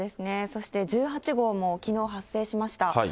そして、１８号もきのう発生しました。